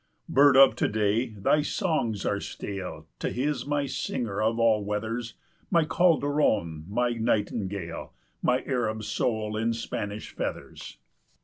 60 "Bird of to day, thy songs are stale To his, my singer of all weathers, My Calderon, my nightingale, My Arab soul in Spanish feathers.